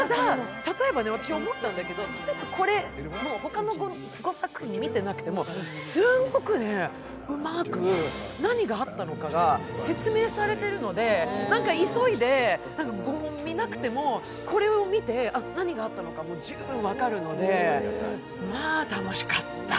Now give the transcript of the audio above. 例えばね、私、思ったんだけど、他の５作品見てなくてもすごくうまく、何があったのかが説明されてるので、急いで５本見なくても、これを見て何があったのか十分分かるので、まあ楽しかった。